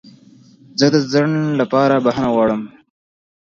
زه د ځنډ لپاره بخښنه غواړم.